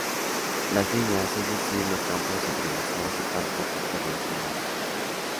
Las líneas, es decir, los campos entrelazados, están poco correlacionados.